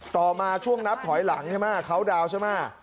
ต่อมาช่วงนับถอยหลังใช่ไหมเขาดาวน์ใช่ไหม